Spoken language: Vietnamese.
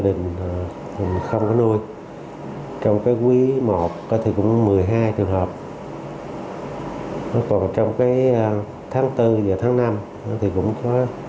đình không có nuôi trong quý một thì cũng một mươi hai trường hợp còn trong tháng bốn và tháng năm thì cũng có sáu